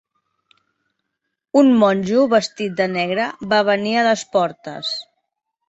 Un monjo vestit de negre va venir a les portes.